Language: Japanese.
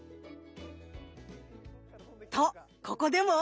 とここでも？